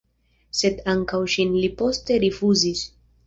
Sed ankaŭ ŝin li poste rifuzis.